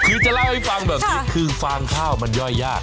คือจะเล่าให้ฟังแบบนี้คือฟางข้าวมันย่อยยาก